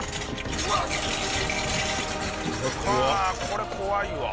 これ怖いわ。